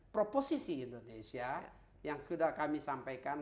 proposisi indonesia yang sudah kami sampaikan